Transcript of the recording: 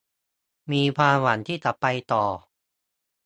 มีความหวังที่จะไปต่อ